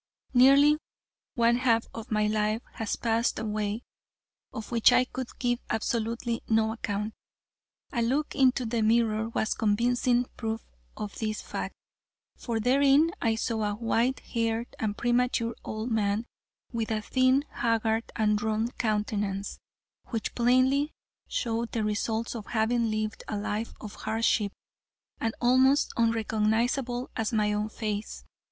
Nearly one half of my life had passed away, of which I could give absolutely no account. A look into the mirror was a convincing proof of this fact, for therein I saw a white haired and premature old man, with a thin, haggard and drawn countenance, which plainly showed the results of having lived a life of hardship, and almost unrecognizable as my own face.